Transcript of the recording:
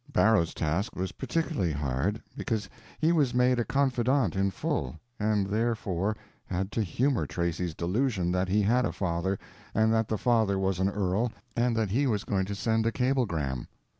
Barrow's task was particularly hard, because he was made a confidant in full, and therefore had to humor Tracy's delusion that he had a father, and that the father was an earl, and that he was going to send a cablegram.